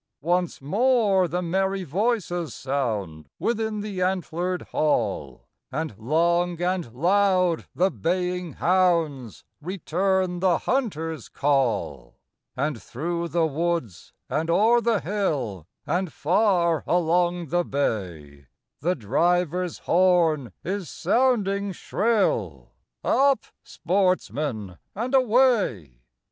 Once more the merry voices sound Within the antlered hall, And long and loud the baying hounds Return the hunter's call; And through the woods, and o'er the hill, And far along the bay, The driver's horn is sounding shrill, Up, sportsmen, and away!